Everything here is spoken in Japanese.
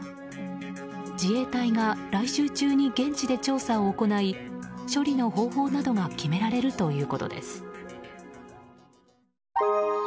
自衛隊が来週中に現地で調査を行い処理の方法などが決められるということです。